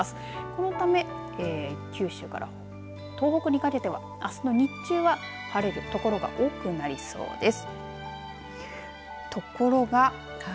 このため九州から東北にかけては、あすの日中は晴れるところが多くなりそうです。